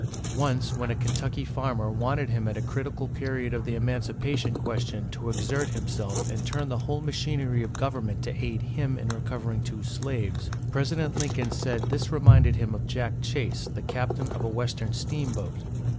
Once, when a Kentucky farmer wanted him at a critical period of the Emancipation question to exert himself and turn the whole machinery of government to aid him in recovering two slaves, President Lincoln said this reminded him of Jack Chase, the captain of a western steamboat.